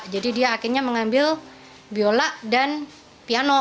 jadi dia akhirnya mengambil biola dan piano